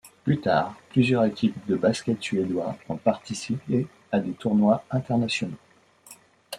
Plus tard, plusieurs équipes de basket suédois ont participé à des tournois internationaux.